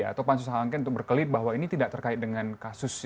atau pansus hak angket untuk berkelit bahwa ini tidak terkait dengan kasus